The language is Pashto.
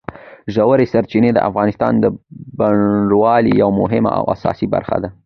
ژورې سرچینې د افغانستان د بڼوالۍ یوه مهمه او اساسي برخه ده.